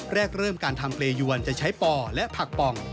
เริ่มการทำเปรยวนจะใช้ป่อและผักป่อง